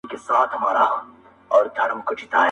دا نومونه د تاريخ او انساني حافظې ژور سمبولونه جوړوي,